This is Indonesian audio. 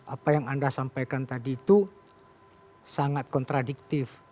apa yang anda sampaikan tadi itu sangat kontradiktif